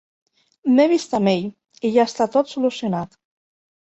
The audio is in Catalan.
M'he vist amb ell, i ja està tot solucionat.